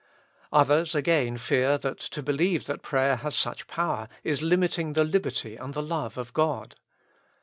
Others again fear that to believe that prayer has such power is limiting the liberty and the love of God.